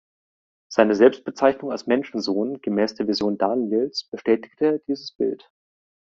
Seine Selbstbezeichnung als Menschensohn gemäß der Vision Daniels bestätigte dieses Bild.